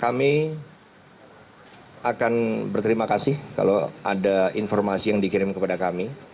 kami akan berterima kasih kalau ada informasi yang dikirim kepada kami